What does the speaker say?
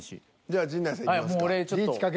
じゃあ陣内さんいきますか。